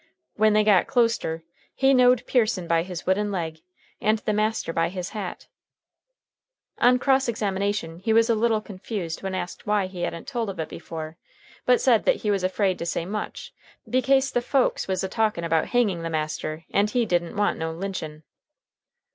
When they got closter he knowed Pearson by his wooden leg and the master by his hat. On cross examination he was a little confused when asked why he hadn't told of it before, but said that he was afraid to say much, bekase the folks was a talkin' about hanging the master, and he didn't want no lynchin'.